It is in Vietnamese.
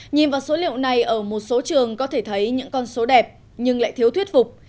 nhìn vào số liệu này ở một số trường có thể thấy những con số đẹp nhưng lại thiếu thuyết phục